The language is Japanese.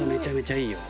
いいよね！